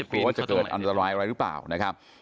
กลัวว่าจะเกิดอันตรายอะไรหรือเปล่านะครับ